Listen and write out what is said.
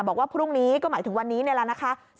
บอกว่าพรุ่งนี้ก็หมายถึงวันนี้นี่แหละนะคะ